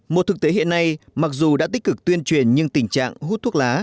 một thực tế hiện nay mặc dù đã tích cực tuyên truyền nhưng tình trạng hút thuốc lá